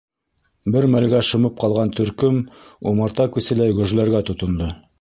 Бер мәлгә шымып ҡалған төркөм умарта күселәй гөжләргә тотондо.